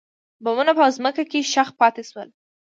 بمونه په ځمکه کې ښخ پاتې شول.